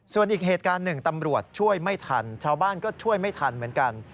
ส่วนอีกเหตุการณ์หนึ่งตำรวจช่วยไม่ทันชาวบ้านก็ช่วยไม่ทันเหมือนกัน